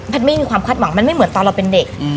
ไม่มีความคาดหวังมันไม่เหมือนตอนเราเป็นเด็ก